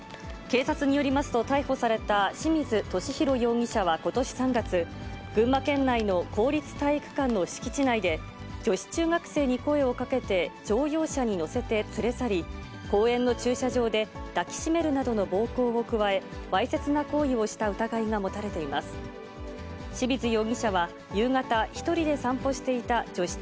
警察によりますと、逮捕された清水俊宏容疑者はことし３月、群馬県内の公立体育館の敷地内で、女子中学生に声をかけて、乗用車に乗せて連れ去り、公園の駐車場で抱き締めるなどの暴行を加え、わいせつな行為をした疑いが持たれています。